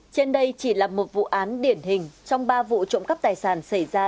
trên đây chỉ là một vụ án điển hình trong ba vụ trộm cắp tài sản xảy ra